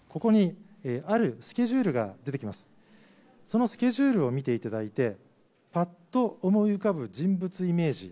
そのスケジュールを見ていただいてパッと思い浮かぶ人物イメージ